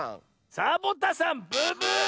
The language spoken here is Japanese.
サボタさんブブーッ！